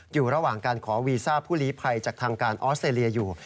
อยู่ระหว่างการขอวีซ่าผู้ลีภัยจากทางการออสเตรเลียอยู่